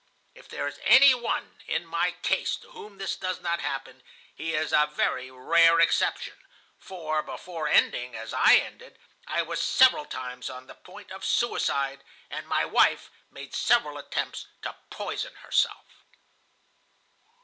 If there is any one in my case to whom this does not happen, he is a very rare exception, for, before ending as I ended, I was several times on the point of suicide, and my wife made several attempts to poison herself."